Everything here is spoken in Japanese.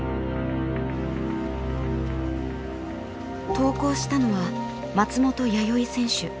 投稿したのは松本弥生選手。